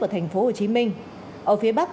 ở thành phố hồ chí minh ở phía bắc